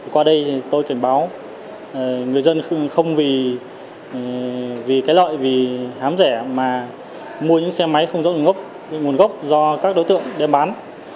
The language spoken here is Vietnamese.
qua đây tôi tuyển báo người dân không vì cái lợi vì hám rẻ mà mua những xe máy không rõ nguồn gốc do các đối tượng đem bán